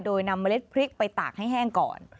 โดยนำเมล็ดพริกไปตากให้แห้งก่อน